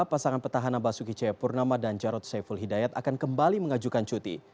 pasangan petahana basuki cahayapurnama dan jarod saiful hidayat akan kembali mengajukan cuti